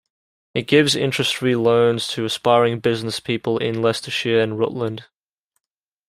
It gives interest-free loans to aspiring businesspeople in Leicestershire and Rutland.